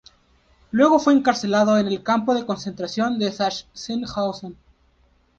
Luego fue encarcelado en el campo de concentración de Sachsenhausen.